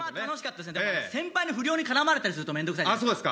でも、先輩の不良に絡まれたりすると面倒臭いじゃないですか。